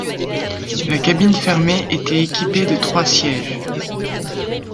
La cabine fermée était équipée de trois sièges.